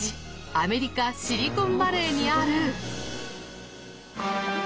アメリカ・シリコンバレーにある。